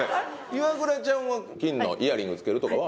イワクラちゃんは金のイヤリング着けるとかは？